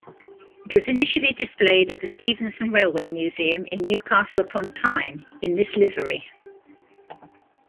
It was initially displayed at the Stephenson Railway Museum in Newcastle-upon-Tyne in this livery.